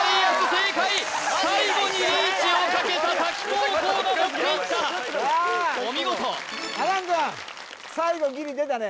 正解最後にリーチをかけた滝高校が持っていったお見事阿南くん最後ギリ出たね